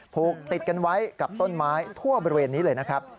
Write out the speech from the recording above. ผูกติดกันไว้กับต้นไม้ทั่วบริเวณนี้เลยนะครับ